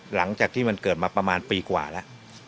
หลังจากที่มันเกิดมาประมาณปีกว่าแล้ว